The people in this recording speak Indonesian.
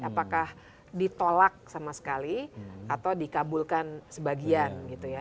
apakah ditolak sama sekali atau dikabulkan sebagian gitu ya